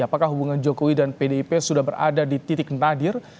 apakah hubungan jokowi dan pdip sudah berada di titik nadir